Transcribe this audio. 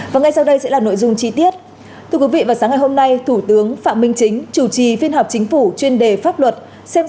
các bạn hãy đăng ký kênh để ủng hộ kênh của chúng mình nhé